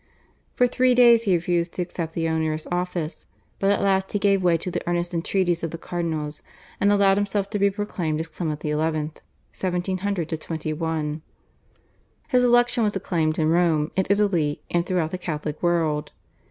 For three days he refused to accept the onerous office, but at last he gave way to the earnest entreaties of the cardinals, and allowed himself to be proclaimed as Clement XI. (1700 21). His election was acclaimed in Rome, in Italy, and throughout the Catholic world.